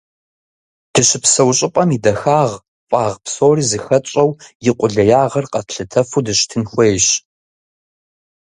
Дыщыпсэу щӏыпӏэм и дахагъ, фӏагъ псори зыхэтщӏэу, и къулеягъыр къэтлъытэфу дыщытын хуейщ.